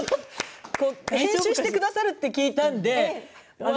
編集してくださるって聞いたので。